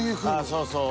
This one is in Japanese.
そうそう。